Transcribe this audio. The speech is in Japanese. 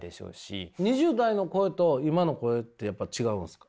２０代の声と今の声ってやっぱ違うんですか？